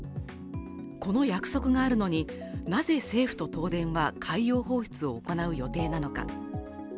この約束があるのになぜ政府と東電は、海洋放出を行う予定なのか。